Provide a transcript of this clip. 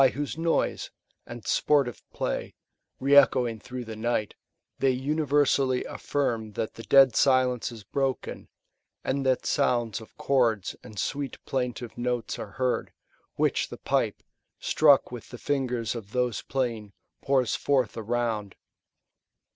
whose noise, and sportive play, re echoing through the night, they universally affirm that the dead silence is broken, and that sounds of chords and sweet plaintive notes are heard, which the pipe, struck with the fingers of those playing, pours forth around.